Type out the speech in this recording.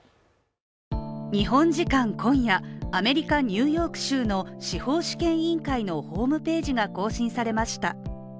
日本時間今夜、アメリカ・ニューヨーク州の司法試験委員会のホームページが更新されました。